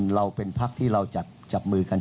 เราเป็นพักที่เราจับมือกัน